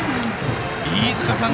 飯塚さん